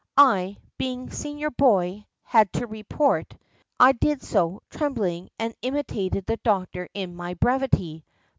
I, being senior boy, had to report. I did so, tremblingly, and imitated the doctor in my brevity.